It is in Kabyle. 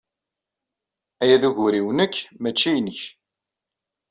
Aya d ugur-inu nekk, maci nnek.